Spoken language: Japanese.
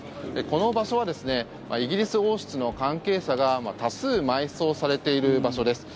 この場所はイギリス王室の関係者が多数埋葬されている場所です。